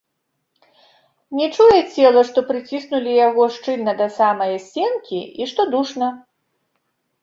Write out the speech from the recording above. Не чуе цела, што прыціснулі яго шчыльна да самае сценкі і што душна.